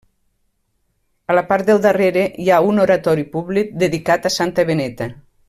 A la part del darrere hi ha un oratori públic dedicat a Santa Beneta.